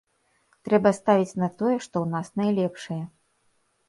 Трэба ставіць на тое, што ў нас найлепшае.